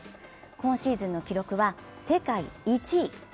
今シーズンの記録は世界一。